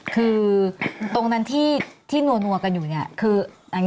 คือตรงนั้นที่นั่วกันอยู่คือ